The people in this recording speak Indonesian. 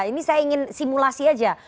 ini saya ingin simulasi aja